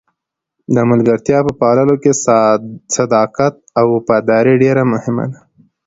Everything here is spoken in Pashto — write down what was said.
د ملګرتیا په پاللو کې صداقت او وفاداري ډېره مهمه ده.